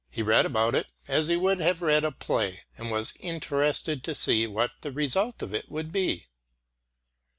He read about it as he would have read a play, and was interested to see what the result of it would be.